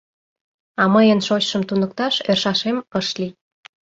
— А мыйын шочшым туныкташ ӧршашем ыш лий.